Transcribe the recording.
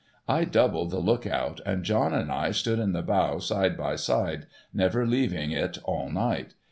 I doubled the look out, and John and I stood in the bow side by side, never leaving it all night.